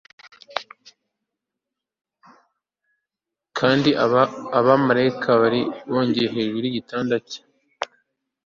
Kandi abamarayika barimo bongorera hejuru yigitanda cye